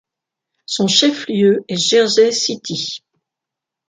Son chef-lieu est Jersey City.